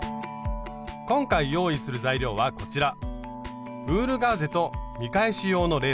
今回用意する材料はこちら。